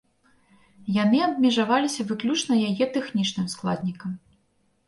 Яны абмежаваліся выключна яе тэхнічным складнікам.